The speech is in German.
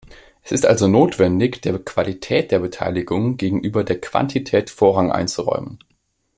Es ist also notwendig, der "Qualität" der Beteiligung gegenüber der Quantität Vorrang einzuräumen.